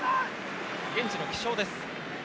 現地の気象です。